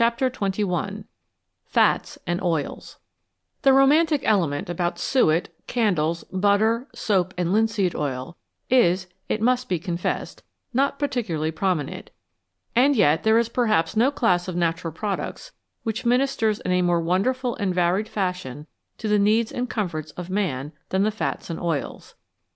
236 CHAPTER XXI FATS AND OILS THE romantic element about suet, candles, butter, soap, and linseed oil is, it must be confessed, not particularly prominent, and yet there is perhaps no class of natural products which ministers in a more won derful and varied fashion to the needs and comforts of man than the fats and oils.